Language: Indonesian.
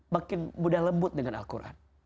makin mudah lembut dengan al quran